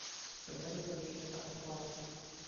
The murder remains unsolved.